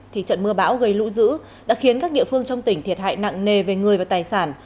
thì trận mưa bão gây lũ dữ đã khiến các địa phương trong tỉnh thiệt hại nặng nề về người và tài sản